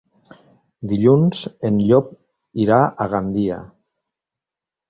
Dilluns en Llop irà a Gandia.